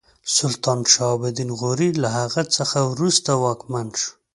سلطان شهاب الدین غوري له هغه څخه وروسته واکمن شو.